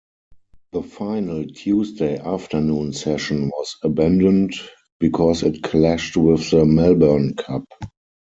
The final Tuesday afternoon session was abandoned, because it clashed with the Melbourne Cup.